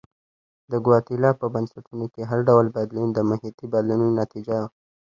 د ګواتیلا په بنسټونو کې هر ډول بدلون د محیطي بدلونونو نتیجه وه.